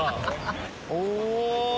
お！